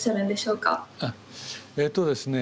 えっとですね